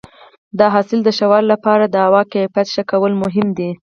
د حاصل د ښه والي لپاره د هوا کیفیت ښه کول مهم دي.